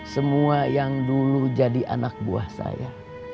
semua yang dulu jadi anak buah saya